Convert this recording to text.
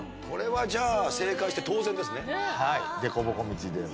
これはじゃあ正解して当然ですね。